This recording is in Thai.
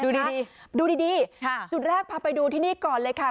ดีดูดีจุดแรกพาไปดูที่นี่ก่อนเลยค่ะ